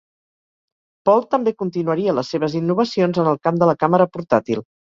Paul també continuaria les seves innovacions en el camp de la càmera portàtil.